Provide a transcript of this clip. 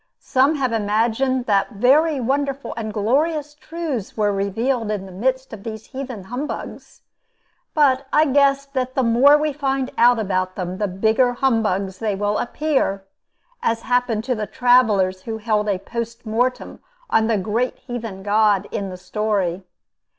Some have imagined that very wonderful and glorious truths were revealed in the midst of these heathen humbugs. But I guess that the more we find out about them, the bigger humbugs they will appear, as happened to the travelers who held a post mortem on the great heathen god in the story.